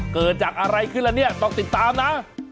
เกิดจากอะไรขึ้นแล้วเนี่ยต้องติดตามนะ